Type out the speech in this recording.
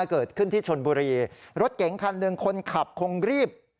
เกิดขึ้นที่ชนบุรีรถเก๋งคันหนึ่งคนขับคงรีบ